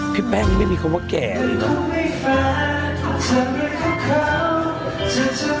พี่แป้งไม่มีคำว่าแก่เลยเนอะ